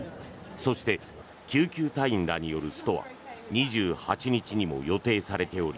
そして、救急隊員らによるストは２８日にも予定されており